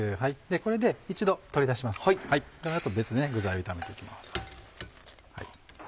この後別でね具材を炒めていきます。